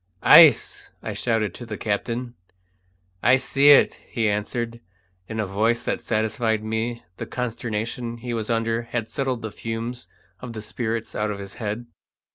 "Ice!" I shouted to the captain. "I see it!" he answered, in a voice that satisfied me the consternation he was under had settled the fumes of the spirits out of his head.